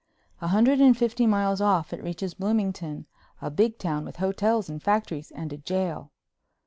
A hundred and fifty miles off it reaches Bloomington, a big town with hotels and factories and a jail.